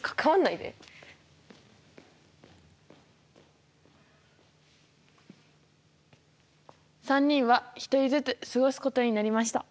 いや３人は１人ずつ過ごすことになりました。